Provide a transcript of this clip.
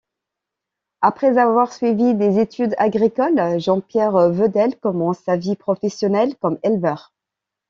Après avoir suivi des études agricoles, Jean-Pierre Vedel commence sa vie professionnelle comme éleveur.